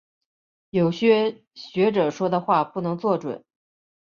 有些学者说的话不能做准。